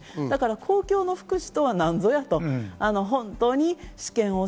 公共の福祉とはなんぞやと。